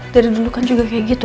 dari dulu kan juga kayak gitu